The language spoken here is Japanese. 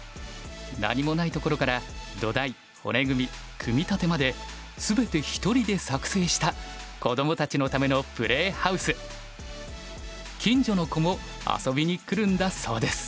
何もないところから土台骨組み組み立てまで全て一人で作成した近所の子も遊びに来るんだそうです。